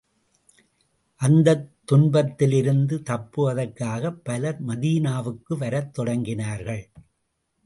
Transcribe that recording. அந்தத் துன்பத்திலிருந்து தப்புவதற்காகப் பலர், மதீனாவுக்கு வரத் தொடங்கினார்கள்.